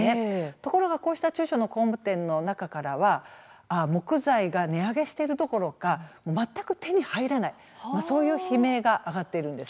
ところがこうした中小の工務店の中からは木材が値上げしているどころか全く手に入らないそういう悲鳴が上がっているんです。